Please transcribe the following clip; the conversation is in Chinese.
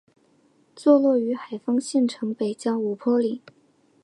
坐落于海丰县城北郊五坡岭。